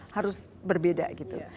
harus berbeda gitu